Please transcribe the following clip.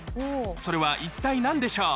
それは一体何でしょう？